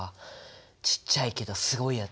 ちっちゃいけどすごいやつ。